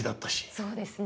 そうですね。